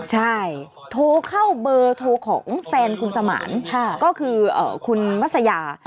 ใช่โทรเข้าเบอร์โทรของแฟนคุณสมานก็คือคุณมัศยา